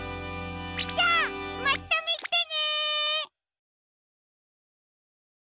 じゃあまたみてね！